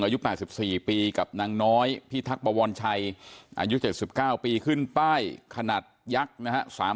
อายุ๘๔ปีกับนางน้อยพิทักษวรชัยอายุ๗๙ปีขึ้นป้ายขนาดยักษ์นะฮะ